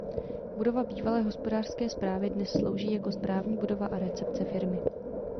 Budova bývalé hospodářské správy dnes slouží jako správní budova a recepce firmy.